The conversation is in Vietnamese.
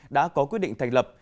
đã có quyết định thành lập